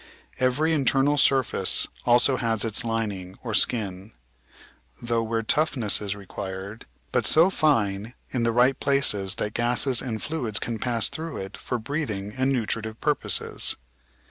Every internal surface also has its lining, or skin: tough where toughness is required, but so fine in the right places that gases and fluids can pass through it for breathing and nutri tive purposes.